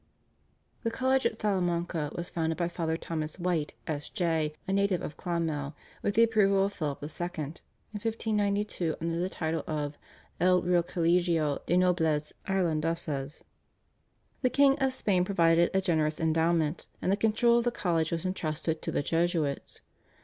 The college at Salamanca was founded by Father Thomas White, S.J., a native of Clonmel, with the approval of Philip II., in 1592 under the title of /El Real Colegio de Nobles Irlandeses/. The King of Spain provided a generous endowment, and the control of the college was entrusted to the Jesuits.